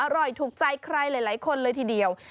ถูกใจใครหลายคนเลยทีเดียว